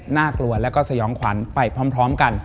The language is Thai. น่ากลัวแล้วก็สยองขวัญไปพร้อมกัน